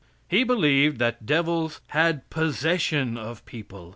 He believed that devils had possession of people.